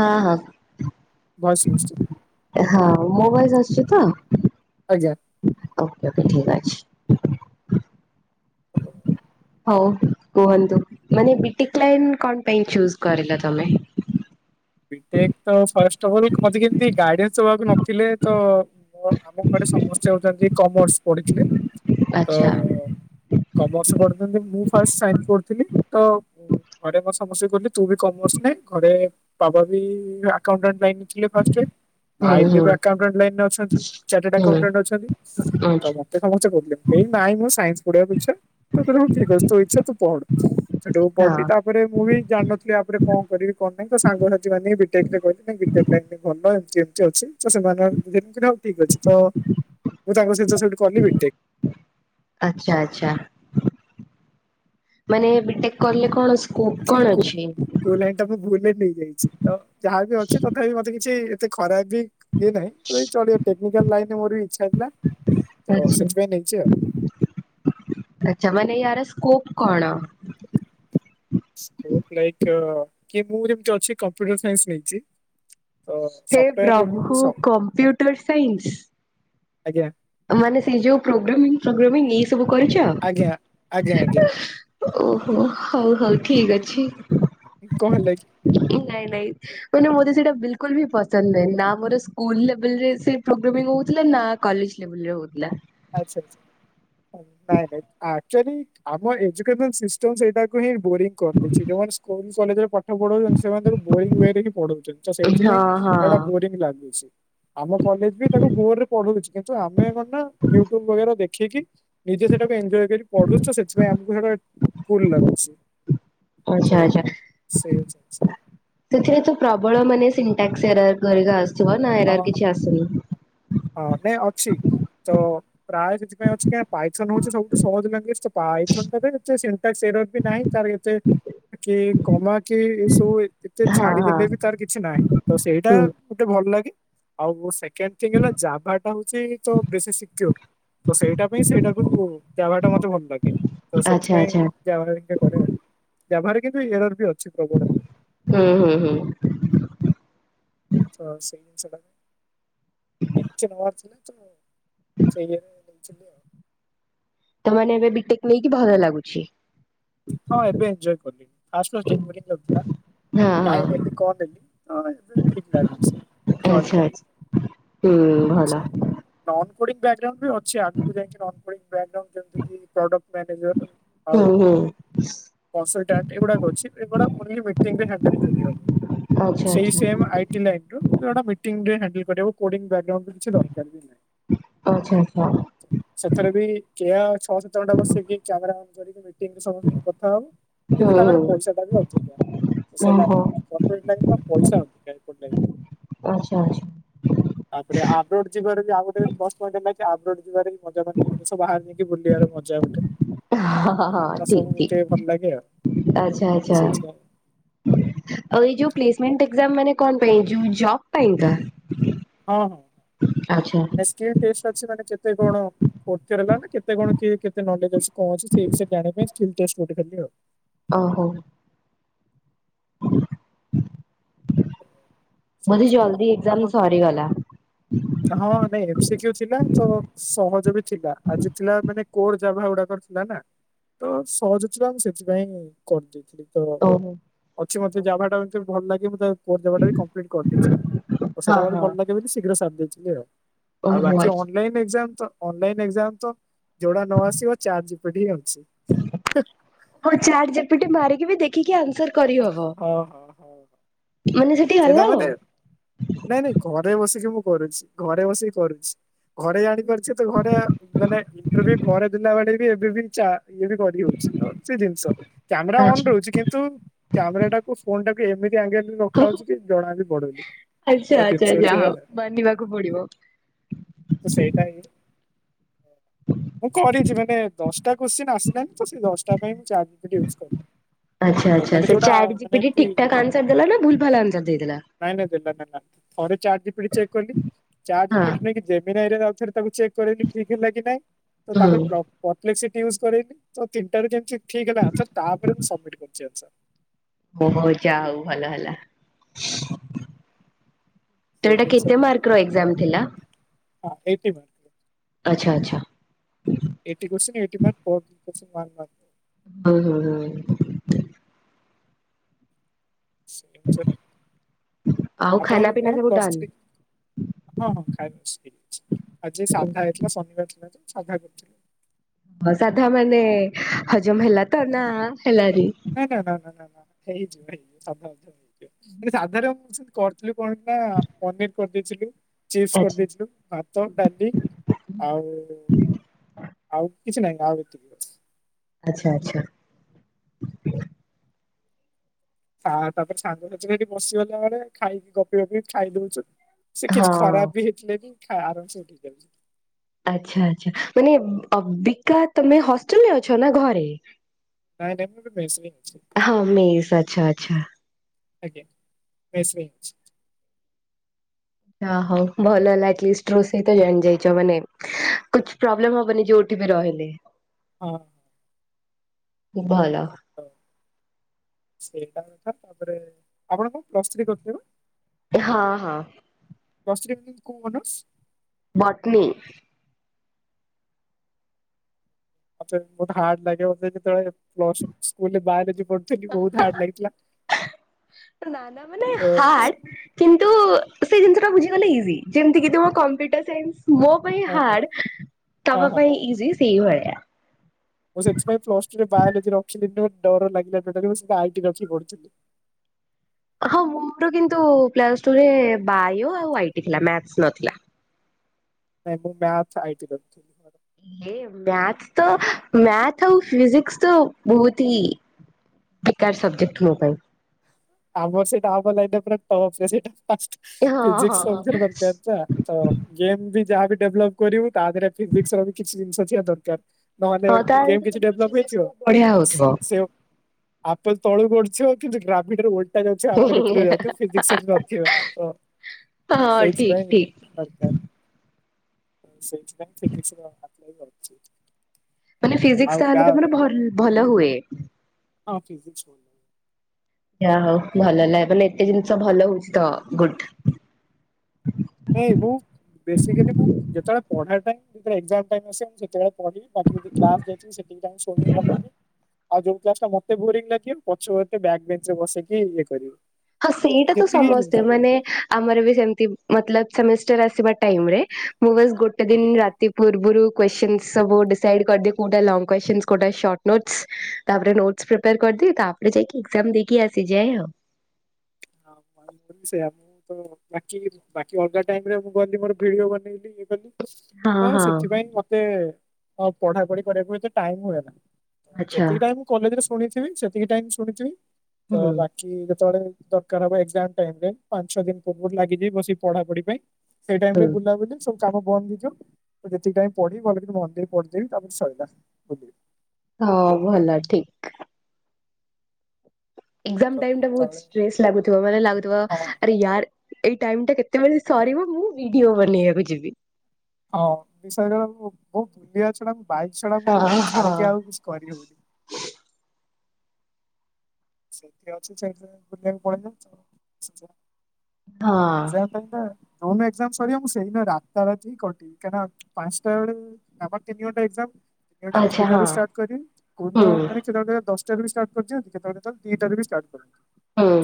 ହଁ ହଁ। ବସ୍ ବୁ ହଁ ମୋ ଭଏସ ଆସୁଛି ତ। ଆଜ୍ଞା। ଓକେ ଓକେ ଠିକ ଅଛି। ହ ହୋଉ କୁହନ୍ତୁ ମାନେ ବିଟେକ୍ ଲାଇନ୍ କଣ ପାଇଁ ଚୁଜ କରିଲ ତମେ‌। ଏକ ତ ଫାଷ୍ଟଫଲ ମତେ କେମିତି ଗାଇଡାନ୍ସଦବାକୁ ନଥିଲେ ତ ଆମ ଘରେ ସମସ୍ତେ ହୋଉଛନ୍ତି କମର୍ସ ପଢିଥିଲେ ତ ଆଚ୍ଛା କମର୍ସ ପଢିଛନ୍ତି ମୁଁ ଫାଷ୍ଟ ସାଇନ୍ସ ପଢୁଥିଲି ତ ଘରେ ବସା ବସି କଲି ତୁ ବି କମର୍ସ ନେ ଘରେ ବାବା ବି ଆକାଉଣ୍ଟାଣ୍ଟେ ଲାଇନ୍ ରେ ଥିଲେ ଫାଷ୍ଟ ହୁଁ ଭାଇ ହୁଁ ବିଏବେ ଆକାଉଟେଣ୍ଟେ ଲାଇନ୍ ରେ ଅଛନ୍ତି। ଚାଟାର୍ଡ ଆକାଉଣ୍ଟେ ଅଛନ୍ତି। ଉଁ। ତ ମତେ ସମସ୍ତେ କହୁଥିଲେ ଏ ନାଇମ ସାଇନ୍ସ ପଢିବାକୁ ଇଛା ତ ଠିକ୍ ଅଛି ତୋ ଇଚ୍ଛା ତୁ ପଢ। ସେଠୁ ପଢ଼ିଲି ହଁ ତାପରେ ମୁଁ ବି ଜାଣି ନଥିଲି ୟାପରେ କଣ କରିବି କଣ ନାହିଁ ତ ସାଙ୍ଗସାଥି ମାନେ ବିଟେକ୍ କରିବା ବିଟେକ୍ ଲାଇନ୍ ଭଲ ଏମିତି ଏମିତି ଅଛି ତ ସେମାନେ। [unintelligible] ଠିକ୍ ଅଛି ତ ମୁଁ ତାଙ୍କ ସହିତ ସେଇଠୁ କଲିି ବିଟେକ୍। ଆଛା ଆଛା ମାନେ ବିଟେକ୍ କଲେ କଣ ଅଛି? ସ୍କୋପ୍ କଣ ଠିକୁ କୁ ଲାଇନ୍। ତାକୁ ଭୁଲରେ ନେଇଯାଇଛି ତ ଯାହାବି ଅଛି ତଥାପି ମତେ କିଛି ଏତେ ଖରାପ୍ ବି ଇଏ ନାହିଁ ତ ଇଏ ଚଳିବ ଟେକ୍ନିକାଲ ଲାଇନରେ ମୋର ବି ଇଚ୍ଛା ଥିଲା ତ ସେଥିପାଇଁ ନେଇଛି ଆଉ। ଆଛା ମାନେ ୟାର ସ୍କୋପ୍ କଣ? ସ୍କୋପ୍ ଲାଇନ୍ କି ମୁଁ ଯେମିତି ଅଛି କମ୍ପ୍ୟୁଟର ସାଇନ୍ସ ନେଇଛି। ତ ହେ ସଫ୍ଟୱେୟାର ପ୍ରଭୁ ସ କମ୍ପ୍ୟୁଟର ସାଇନ୍ସି। ଆଜ୍ଞା। ମାନେ ସେଇ ଯୋଉ ପ୍ରୋଗ୍ରାମିଂ ଫୋଗ୍ରାମିଂ ଏଇ ସବୁ କରିଚ। ଆଜ୍ଞା ଆଜ୍ଞା ଆଜ୍ଞା ଓହୋ ହଉ ହଉ ଠିକ୍ ଅଛି। କହ ହେଲା କି? ଏ ନାଇଁ ନାଇଁ। ମାନେ ମତେ ସେଟା ବିଲିକୁଲ୍ ବି ପସନ୍ଦ ନାହିଁ ମୋର ସ୍କୁଲ ଲେବୁଲରେ ସେ ପ୍ରୋଗ୍ରାମି ହୋଉଥିଲା ନାଁ କଲେଜ୍ ଲେବୁଲୁରେ ହୋଉଥିଲା। ଆଛା ଆଛା ନାଇଁ ନାଇଁ ଆକଚୁଆଲି ଆମ ଏଜୁକେସନ ସିଷ୍ଟମ୍ ସେଇଟା କୁ ହିଁ ବୋରିଂ କରିଦେଇଛି ଯୋଉମାନେ ସ୍କୁଲ କଲେଜରେ ପାଠ ପଢାଉଛନ୍ତି ସେମାନେ ତାଙ୍କୁ ବୋରିଙ୍ଗ ୱରେ ହିଁ ପଢୋଉଛନ୍ତି। ତ ହଁ ସେଇଥି ପାଇଁ ହଁ ସେଟା ବୋରିଂ ଲାଗୁଛି। ଆମ କଲେଜ ବି ତାକୁ ବୋରରେ ପଢୋଉଛି କିନ୍ତୁ ଆମେ କଣ ନାଁ ଦେଖିକି ନିଜେ ସେଟାକୁ ଏନଜୟ କରି ପଢୁଛୁ ସେଥିପାଇଁ ଆମକୁ ସେଟା କୁଲ୍ ଲାଗୁଛି। ତ ଆଚ୍ଛା ଆଚ୍ଛା। ସେଇ ହଉଛି ଜିନିଷ। ସେଥିରେ ତ ପ୍ରବଳ ମାନେ ସିଣ୍ଟାକ୍ସ ଏରା କରିକା ଆସୁଥିବ ନା ହଁ ଏରା ହଁ ହଁ କିଛି ଆସୁନି। ହଁ ନାଇଁ ଅଛି ତ ପ୍ରାୟ ସେଥିପାଇଁ ଅଛି କାଇଁ ନାଁ ପାଇଶନ ହୋଉଛି ସବୁଠୁ ସହଜ ଲାଙ୍ଗୁଏଚ୍ ତ। ପାଇଶନ ଟା ବି ଏତେ ସି ସେରର ବି ନାହିଁ ତାର ଏତେ କି କମା କି ଏସବୁ ଏତେ ହଁ ହଁ ଛାଡିଦେଲେ ବି ତାର କିଛି ନାହିଁ ତ ସେଇଟା ହୁଁ ଗୋଟେ ଭଲ ଲାଗେ। ଆଉ ସେକଣ୍ଡ୍ ଥିଙ୍କ୍ ହେଲା ଜାଭଟା ହଉଚି ତ ବେଶି ସିକ୍ୟୋର୍। ତ ସେଇଟା ପାଇଁ ସେଇଟାକୁ ଜାଭାଟା ମତେ ଭଲ୍ ଲାଗେ। ତ ଆଚ୍ଛା ସେଥିପାଇଁ ଆଚ୍ଛା ଜାଭା ହେରିକା କରେ ଆଉ। ଜାଭାରେ କିନ୍ତୁ ଏରର୍ ବି ଅଛି ପ୍ରବଳ ଏରର୍। ହୁଁ ହୁଁ ହୁଁ। ସେଇ ଜିନଷ୍ ଟା, [inaudible] ନବାର ଥିଲା ତ ସେଇ [inaudible] ନେଇଥିଲି ଆଉ। ତାମାନେ ଏବେ ବିଟେକ୍ ନେଇକି ଭଲ ଲାଗୁଛି? ହଁ ଏବେ ଏନଜୟ କଲି ଫାଷ୍ଟ ଫାଷ୍ଟ ହଁ ଟିକେ ବୋରିଙ୍ଗ୍ ଲାଗୁଥିଲା। ହଁ କାହିଁ ନେଲି କଣ ନେଲି ହଁ ଏବେ ଠିକ୍ ଲାଗୁଚି ସବୁ ଆଚ୍ଛା ଚଳିବ। ଆଚ୍ଛା। ହୁଁ ଭଲ। ନନକୋଡିଙ୍ଗ୍ ବ୍ୟାଗ୍ରାଉଣ୍ଡ୍ ବି ଅଛି ଆଗୁକୁ ଯାଇକି ନନକୋଡିଙ୍ଗ୍ ବ୍ୟାଗ୍ରାଉଣ୍ଡ୍ ଯେମିତିକି ପ୍ରଡକ୍ଟ୍ ମ୍ୟାନେଜର ହୁଁ ହୁଁ। କନୋସଟାଣ୍ଟ୍ ଏଗୁଡାକ ଅଛି ଏଗୁଡା ଓନଲି ମିଟିଙ୍ଗରେ ହ୍ଯାଣ୍ଡେଲ୍ କରିହବ। ଆଚ୍ଛା ସେଇ ଆଚ୍ଛା। ସେମ୍ ଆଇ ଟି ଲାଇନ୍ ରୁ କିନ୍ତୁ ଏଟା ମିଟିଙ୍ଗ ରେ ହ୍ୟାଣ୍ଡେଲ୍ କରିହେବ କୋଡିଙ୍ଗ୍ ବ୍ୟାଗ୍ରାଉଣ୍ଡ୍ ବି କିଛି ଦରକାର ବି ନାଇଁ। ଆଚ୍ଛା ଆଚ୍ଛା। ସେଥେରେ ବି କେୟାର ଛଅ ସାତ ଘଣ୍ଟା ବସିକି କିି କ୍ୟାମେରା ଅନ୍ କରିକି ଦେଖ୍ [unintelligible] ଆଉ କିନ୍ତୁ ହୁଁ ତାଙ୍କର ହୁଁ ପଇସା ଟା ବି ଅଧିକା। ସେ ଓହୋ ଲାଇନରେ କର୍ପୋରେଟ ଲାଇନ ନା ପଇସା ଅଧିକା ହେପଟ ଲାଇନ୍। ଓ ଆଚ୍ଛା ଆଚ୍ଛା। ତାପରେ ଆବ୍ରୋଡ୍ ଯିବାର ବି ଆଉ ଗୋଟେ ପ୍ଲସ ପଏଣ୍ଟ୍ ହେଲାକି ଆବ୍ରୋଡ୍ ଯିବାରେ ବି ମଜା ମାନେ ଦେଶ ବାହାରେ ଯାଇକି ବୁଲିଆର ମଜା ଗୋଟେ‌। ହଁ ହଁ ହଁ ଠିକ୍ ଲାଗେ ଆଉ ଠିକ୍ ଆଚ୍ଛା ତ ଆଚ୍ଛା। ସେଇଥିପାଇଁ ଆଉ ଏ ଯୋଉ ପ୍ଲେସମେଣ୍ଟ୍ ଏକ୍ଜାମ୍ ମାନେ କଣ ପାଇଁ, ଯୋଉ ଜବ ପାଇଁ କା? ହଁ ହଁ [inaudible] ମାନେ କେତେ କଣ? [unintelligible] ନା କେତେ କଣ କିଏ କେତେ ନଲେଜ୍ ଅଛି କଣ ଅଛି ସେଇ ବିଷୟ ଜାଣିବା ପାଇଁ ସ୍କିଲ୍ ଟେଷ୍ଟ୍ ଗୋଟେ ଖାଲି ଆଉ। [unintelligible] ଆଉ। ଓହୋ। ବୋଧେ ସେଇଥିପାଇଁ ଜଲଦି ଏକ୍ଜାମ୍ ଆପଣ ସରିଗଲା? ହଁ ନାଇଁ ଏମ ସି କ୍ୟୁ ଥିଲା ତ ସହଜ ବି ଥିଲା, ଆଜି ଥିଲା ମାନେ କୋଡ୍ ଯାଭା ଗୁଡାକର ଥିଲା ନା, ତ ସହଜ ଥିଲା ମୁଁ ସେଥିପାଇଁ କରିଦେଇଥିଲି ତ, ଅଛି ମତେ ଯାଭାଟା ମତେ ବି ଭଲ୍ ଲାଗେ ମୁଁ ତାକୁ କରିଦବାଟା ବି କମ୍ପ୍ କରିଦେଇଥିଲି ତ ସେଇଟା ମତେ ଭଲ୍ ଲାଗେ ବେଲି ଶୀଘ୍ର ସାରି ଦେଇଥିଲି ଆଉ, ଆଉ ବାକି ଅନଲାଇନ୍ ଏକ୍ଜାମ୍ ତ ଅନଲାଇନ୍ ଏକ୍ଜାମ୍ ତ ଯୋଉଟା ନ ଆସିବ ଚାର୍ଟ ଜିପିଟି ହିଁ ଅଛି। ଓ ଚାର୍ଟ ଜିପିଟି ମାରିକି ବି ଦେଖିକି ଆନ୍ସର୍ କରିହବ? ହଁ ହଁ ହଁ। ମାନେ ସେ ସେଇଟା ମାନେ, ନାଇଁ ନାଇଁ ଘରେ ବସିକି ମୁଁ କରୁଚି ଘରେ ବସିକି କରୁଚି। ଘରେ ଜାଣି ପାରୁଛ ତ ଘରେ ମାନେ ଏମତିରେ ବି ଘରେ ଥିଲାବେଳେ ବି ଏବେ ବି ଚା ଇଏ ବି କରି ହଉଚି ତ ସେ ଜିନିଷ କ୍ୟାମେରା ଅନ୍ ଆଚ୍ଛା ରହୁଚି କିନ୍ତୁ କ୍ୟାମେରା ଟାକୁ ଫୋନ୍ ଟାକୁ ଏମିତି ଆଙ୍ଗେଲ୍ ରେ ରଖ୍ ଖାହଉଚି କି ଜଣା ବି ପଡୁନି, ଆଚ୍ଛା ତ ଆଚ୍ଛା ଜିନିଷ ହଉଚି ଯାହା ଏୟା ହଉ ଆଉ। ମାନିବାକୁ ପଡିବ ତ ସେଇଟା ହିଁ ମୁଁ କରିଚି ମାନେ ଦଶଟା କୋଶ୍ଚନି ଆସିଲାନି ତ, ସେ ଦଶଟା ପାଇଁ ମୁଁ ଚାର୍ଟ ଜିପିଟି ୟୁଜ୍ କଲିି। ତ ମାନେ ଯୋଉଟା ମାନେ ଏମତି ଠିକ୍ ଠାକ୍ ଦେଲା ନାଁ ଭୁଲ୍ ଭାଲ୍ ଆନସାର ଦେଇଦେଲା? ନାଇଁ ନାଇଁ ଦେଲା ଦେଲା, ଥରେ chat G P T check କଲି, ଚାର ଜି ହଁ ପି ଡି ନେଇକି [unintelligible] ଋଋ ତାକୁ ଚେକ୍ କରେଇଲି ଠିକ ହେଲା କି ନାଇଁ ତ ହୁଁ ତାପରେ ବ୍ଲକ [unintelligible] ହେଲା ତାପରେ ମୁଁ ସବମିଟ କରି ଚାଲିଛି। ହହ ଯା ହଉ ଭଲ ହେଲା। ତ ସେଇ ଏଟା ଜିନିଷ କେତେ ପାଇଁ ମାର୍କର ଏକ୍ଜାମ ଥିଲା? [unintelligible] ଆଛା ଆଛା। ଏଇଟି ପର୍ସେଣ୍ଟ ଏଇଟି [inaudible] ଅ ହଁ। ହଁ ଅ। ଆଉ ଖାନା ଆପଣଙ୍କର ପିନା କଣ ସବୁ ପ୍ଲସ୍ ଡନ୍? ଥ୍ରୀ? ହଁ ହଁ ଖାଇବସିଛି। ଆଜି ସାଧା ହେଇଥିଲା, ଶନିବାର ଥିଲା ତ, ସାଧା କରିଥିଲେ। ହଁ ସାଧା ମାନେ ହଜମ ହେଲା ତ, ନା ହେଲାନି? ନା ନା ନା ନା ହେଇଯିବ ହେଇଯିବ, ସାଧା ହେଇଯିବ ସାଧାରେ କଣ ନା ପନିର କରିଦେଇଥିଲୁ, ଚିପ୍ସ ଆଚ୍ଛା କରିଦେଇଥିଲୁ। ଭାତ, ଡାଲି ଆଉ, ଆଉ କିଛି ନାହିଁ ଆଉ ଆଛା ଆଛା। ତାପରେ ସାଙ୍ଗସଥି ସେଠି ବସିିଗଲା ବେଳେ, ଖାଇକି ଗପି ଗପି ଖାଇ ଦଉଛନ୍ତି। ସେ ହଁ। କିଛି ଖରାପ ବି ହେଇଥିଲେ ବି ଖ ଆରାମ ସେ ହେଇଯାଉଛି। ଆଛା ଆଛା ମାନେ ଅବିକା ତମେ ହଷ୍ଟେଲ ରେ ଅଛ, ନା ଘରେ? ନାଇଁ ନାଇଁ ମୁଁ ଏବେ ମେସ୍ ରେ ଅଛି। ହଁ ମେସ୍ ଆଛା ଆଛା। ଆଜ୍ଞା, ମେସରେ ଅଛି। ହ ହୋ ଭଲ ହେଲା। ଆଟ୍ ଲିଷ୍ଟ ରୋଷେଇ ତ ଜାଣି ଯାଇଛ ମାନେ କିଛି ପ୍ରୋବ୍ଲେମ ହବନି ଯୋଉଠି ବି ରହିଲେ। ହଁ ଭଲ ହ ସେଇଟା କଥା ତାପରେ ଆପଣ କଣ ପ୍ଲସ୍ ଥ୍ରୀ କରିଥିଲେ ପା? ହଁ ହଁ ଦଶ କୁଣ ମନସ [inaudible] ବଟନି ଆ ବହୁତ ହାର୍ଡ ଲାଗେ ଯେତେବେଳେ ବାହାର [inaudible] ନାନା ମାନେ ତ ହାର୍ଡ କିନ୍ତୁ ସେ ଜିନିଷ ଟା ବୁଝିଗଲେ ଇଜି ଯେମତିକ ତ କମ୍ପ୍ୟୁଟର ସାଇନ୍ସ ମୋ ମୋପାଇଁ ହଁ ହଁ ହାର୍ଡ ହଁ ତମ ହଁ। ପାଇଁ ଇଜି ସେଇଭଳିଆ। ମୁଁ ସେଥିପାଇଁ ପ୍ଲସ ଟୁ ରେ ବାୟୋଲୋଜି ରଖିଲି ନାହିଁ ଡର ଲାଗିଲା ଟୋଟାଲ ଆଇଟି ରଖି ପଢୁଥିଲି। ହଁ ମୋର କିନ୍ତୁ ପ୍ଲସ୍ ଟୁରେ ବାୟୋ ଆଉ ଆଇ ଟି ଥିଲା ମ୍ୟାଥ ନଥିଲା। ନାଇଁ ମୁଁ ମ୍ୟାଥ ଆଇଟି ରଖଥିଲି। ମ୍ୟାଥ ତ ମ୍ୟାଥ ଆଉ ଫିଜିକ୍ସ ତ ବହୁତ ହି ବେକାର ସବଜେକ୍ଟ ମୋ ପାଇଁ। ଆମ ସେଇଟାପ ଟ ସେଇ ହଁ ହଁ ଫିଜିକସ ସମ ଏ [inaudible] ତ ଗେମ୍ ବି ଯାହାବି ଡେଭଲପ୍ କରିବୁ ତା ଦେହରେ ଫିଜିକ୍ସ ର ବି କିଛି ଜିନିଷ ଥିବା ଦରକାର। ନହେଲେ ହଁ ତାହେଲେ ଗେମ ତ କିଛି ତମର ଡେଭ୍ଲପ ଫିଜିକ୍ସ ହେଇଯିବ। ବହୁତ ବଢିଆ ହଉଥିବ। ଆପେ ତଳକୁ ଗଡିଛିବ କିନ୍ତୁ ଗ୍ରାମୀଣରେ ଯାଉଛି ହାପେଣ୍ଟ ଉପରକୁ ହଁ ଯାଉଥିବ। ଫିଜିକ୍ସ ସାଇଟ ନଥିବ ତ। ଠିକ ସେଇଥିପାଇଁ ଠିକ [unintelligible] ସେଇଥି ପାଇଁ ଫିଜିକ୍ସ [unintelligible] ମାନେ ଆଉ ଫିଜିକ୍ସ ତାହଲେ ବା- ତମର ଭଲ ଭଲ ହୁଏ। ହଁ ଫିଜିକ୍ସ। ଲାଗେ। ଜା ହଉ ଭଲ ହେଲା ମାନେ ଏତେ ଜିନିଷ ଭଲ ହଉଚି ତ ଗୁଡ। ଏଇ ଠୁ। ବେସିକାଲି ଯେତେବେଳେ ପଢା ଟାଇମ୍ ଯେତେବେଳେ ଏଗଜାମ୍ ଟାଇମ୍ ଆସେ ମୁଁ ସେତେବେଳେ ପଢ଼ିବି ତାପରେ ଯାଇ କ୍ଲାସ୍ ସେତିକିଟା ଶୁଣିଲି ଭଲ ଆଉ ଯଉ କ୍ଲାସ ଟା ମତେ ବୋରିଂ ଲାଗିବ ପଛପଟେ ବ୍ୟାକ ବେଞ୍ଚେ ରେ ବସିକି ଇଏ କରିବି। ହଁ ସେଇଟା ତ ଯେତିକି ଜିନିଷ ସମସ୍ତେ ମାନେ ଆମର ବି ସେମିତି ମତଲବ ସେମଷ୍ଟର୍ ଆସିବା ଟାଇମ୍ ରେ ମୁଁ ବସ୍ ଗୋଟେ ଦିନ୍ ଆଜ୍ଞା ରା ତି ପୂର୍ବରୁ କୋଶ୍ଚଚୀନ୍ ସବୁ ଡିସାଇଡ୍ କରିଦିଏ କୋଉଟା ଲଙ୍ଗ କୋଶ୍ଚଚୀନ୍ କୋଉଟା ସର୍ଟ ନୋଟ୍ ତାପରେ ନୋଟସ୍ ପ୍ରିପେୟାର୍ କରିଦିଏ ତାପରେ ଯାଇକି ଏକ୍ସଜାମ୍ ଦେଇକି ଆସିଯାଏ ଆଉ। ସେଇ ଆପ୍ ତ ବାକି ବାକି ଅଲଗା ଟାଇମ୍ ରେ ମୁଁ ଗଲି ମୋର ଭିଡିଓ ବନେଇଲି ଇଏ କଲି। ହଁ ତ ହଁ ସେଥିପାଇଁ ମତେ ହଁ ପଢାପଢି କରିବାକୁ ଏତେ ଟାଇମ୍ ହୁଏ ନା। ଆଚ୍ଛା ଯେତିକି ଟାଇମ୍ କଲେଜରେ ଶୁଣିଥିବି ସେତିକି ଟାଇମ୍ ଶୁଣିଥିବି ହୁଁ ତ ବାକି ଯେତେବେଳେ ଦରକାର ହବ ଏଗଜାମ୍ ଟାଇମ୍ ରେ ପାଞ୍ଚ ଛଅ ଦିନ ପୂର୍ବରୁ ଲାଗିଯିବ ବସି ପଢାପଢି ପାଇଁ। ସେଇ ଟାଇମ୍ ହୁଁ ରେ ବୁଲାବୁଲି ସବୁ କାମ ବନ୍ଦ ହେଇଯିବ ତ ଯେତିକି ଟାଇମ୍ ପଢିବି ଭଲକିରି ମନ ଦେଇକି ପଢଦେବି ତାପରେ ସଇଲା ବୁଲିବି। ହଁ ଭଲ ଠିକ୍। ଏଗ୍ଜାମ୍ ତ ଟାଇମ୍ ଟା ବହୁତ୍ ଯେତେବେଳେ ଷ୍ଟ୍ରେସ ଲାଗୁଥିବ ମାନେ ଲାଗୁଥିବ ହଁ। ଆରେ ୟାର ଏଇ ଟାଇମ୍ ଟା କେତେବେଳେ ସରିବ ମୁଁ ଭିଡ଼ିଓ ବନେଇବାକୁ ଯିବି। ହଁ ବିଶ୍ବସ କର ମୁଁ ବୁଲିବା ଛଡା ମୁଁ ବାଇକ୍ ଛଡା ମୁଁ ହଁ ହଁ। ଛାଡିକି ଆଉ କିଛି କରିହଉନି। [unintelligible] କାହିଁ ନା ଯୋଉ ଦିନ ଏଗ୍ଜାମ୍ ସରିବ ମୁଁ ସେଇ ଦିନ ରାତା ରାତି କଟିବି କାହିଁକି ନା ପାଞ୍ଚଟା ବେଳୁ ଆମର ତିନି ଘଣ୍ଟା ଏଗ୍ଜାମ୍ ଏଇଟା ଦୁଇଟା ରୁ ଷ୍ଟାର୍ଟ କରି କୋଉ ଦିନ କେତେବେଳେ ଦଶଟାରୁ ବି ଷ୍ଟାର୍ଟ କରିନ୍ତି କେତେବେଳେ ତ ଦିଟା ରୁ ବି ଷ୍ଟାର୍ଟ କରନ୍ତି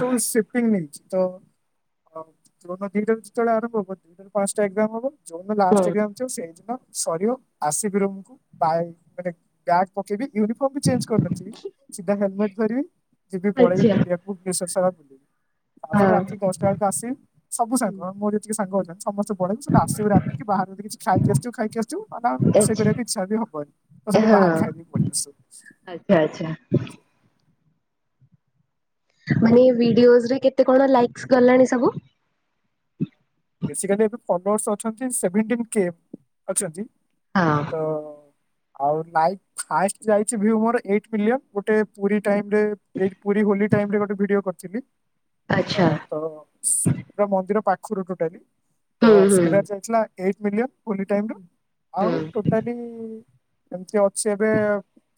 ଶୋ ସେ ଦିନି ତ ଯୋଉ ଦିନ ଦିଟା ଯେତେବେଳେ ଆରମ୍ଭ ହବ ପାଞ୍ଚଟା ଏକ୍ସାମ ହବ ଯୋଉଦିନ ଲାଷ୍ଟ ଏଗ୍ଜାମ୍ ଥିବ ସେଇଦିନ ସରିବ ଆସିବି ରୁମ୍ କୁ ତାପରେ ବ୍ୟାଗ୍ ପକେଇବି ୟୁନିଫର୍ମ ବି ଚେଞ୍ଜ କରିନଥିବି ସିଧା ହେଲମେଟ୍ ଧରିବି ଯିବି ପଳେଇବି [unintelligible] ରାତି ଦଶଟା ବେଳକୁ ଆସିବି ସବୁ ସାଙ୍ଗ ମୋର ଯେତିକି ସାଙ୍ଗ ଅଛନ୍ତି। ସମସ୍ତେ ପଳେଇଚୁ ତେ ଆସିବୁ ରାତିକି ବାହାରୁ ଯଦି କିଛି ଖାଇକି ଆସିଥିବୁ ଖାଇକି ଆସିଥିବୁ ତ ତାଙ୍କ ରୋଷେଇ କରିବାକୁ ଆଚ୍ଛା ଇଚ୍ଛା ବି ହବନି ତ ସେଠୁ ହଁ ବାହାରେ ଖାଇଦେଇକି ପଳେଇ ଆସିବୁ। ଆଚ୍ଛା ଆଚ୍ଛା। ମାନେ ଭିଡିଓଜରେ କେତେ କଣ ଲାଇକ୍ସ ଗଲାଣି ସବୁ? ବେଶିକାଲି ଏବେ ଫୋଲୋର୍ସ ଅଛନ୍ତି ସେଭେଣ୍ଟିନ୍ କେ ଅଛନ୍ତି। ହଁ। ତ ଆଉ ଲାଇକ୍ ହାଇଏଷ୍ଟ ଯାଇଚି ଭ୍ୟୁ ମୋର ଏଇଟ୍ ମିଲିଅନ ଗୋଟେ ପୁରୀ ଟାଇମ୍ ରେ ଏଇ ପୁରୀ ହୋଲି ଟାଇମ୍ ରେ ଗୋଟେ ଭିଡିଓ କରିଥିଲି। ଆଚ୍ଛା ହଁ ତ ପୁରା ମନ୍ଦିର ପାଖରୁ ଟୋଟାଲି। ତ ହୁଁ ହୁଁ ସେଇଟା ଯାଇଥିଲା ଏଇଟ୍ ମିଲିଅନ୍ ହୋଲି ଟାଇମ୍ ରେ ହୁଁ ଆଉ ଟୋ ଟାଲି ଏମିତି ଅଛି ଏବେ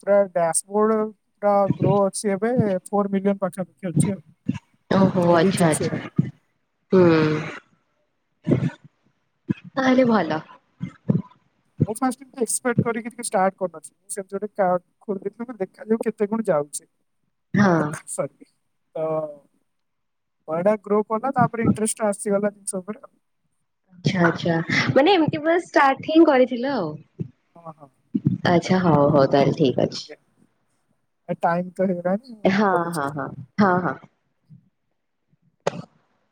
ପୁରା ଡ୍ୟାସ ବୋର୍ଡ ପୁରା ଗ୍ରୋ ଅଛି ଏବେ ଫୋର ମିଲିୟନ ପାଖାପାଖି ଅଛି ଆଉ ଓହୋ ଆଚ୍ଛା ଏରିଚ୍ ଅଛି ଆଚ୍ଛା ଏବେ ହୁଁ ତାହେଲେ ଭଲ ମୁଁ ଫାଷ୍ଟ୍ ଏକ୍ସପେକ୍ଟ କରିକି କିଛି ଷ୍ଟାର୍ଟ କରିନଥିଲି ସେମିତି ଗୋଟେ କ୍ରାଫ୍ଟ ଖୋଲିଦେଇଥିଲି ତ ଦେଖାଯାଉ କେତେ କଣ ଯାଉଛି ହଁ ସରି ତ ବଡ଼ ଗ୍ରୁପ ତାପରେ ଇଣ୍ଟରେଷ୍ଟ ଆସିଗଲା ଜିନିଷ ଉପରେ ଆଚ୍ଛା ଆଚ୍ଛା ମାନେ ଏମିତି ପୁରା ଷ୍ଟାର୍ଟ ହିଁ କରିଥିଲ ଆଉ ହଁ ହଁ ଆଚ୍ଛା ହଉ ହଉ ତାହେଲେ ଠିକ ଅଛି। ଏ ଟାଇମ ତ ହେଇଗଲାଣି ହଁ ରଖୁଛି। ହଁ ହଁ ହଁ ହଁ [unintelligible]